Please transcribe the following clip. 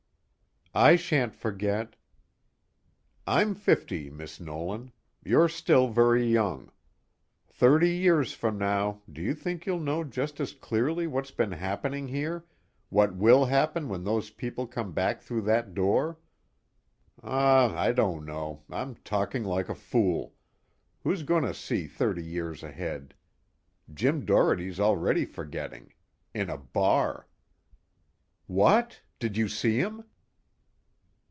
"I sha'n't forget." "I'm fifty, Miss Nolan. You're still very young. Thirty years from now, d'you think you'll know just as clearly what's been happening here, what will happen when those people come back through that door? Ah, I don't know, I'm talking like a fool who's going to see thirty years ahead? Jim Doherty's already forgetting. In a bar." "What? Did you see him?"